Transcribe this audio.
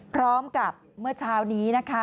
พร้อมกับเมื่อเช้านี้